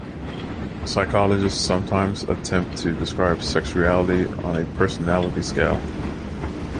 Psychologists sometimes attempt to describe sexuality on a personality scale.